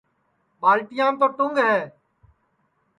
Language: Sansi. ٻالٹیام تو ٹُنٚگ ہے